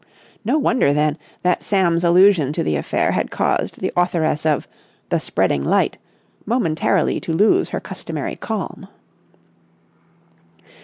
No wonder, then, that Sam's allusion to the affair had caused the authoress of "The Spreading Light" momentarily to lose her customary calm.